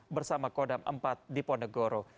bersama kodam empat di ponegoro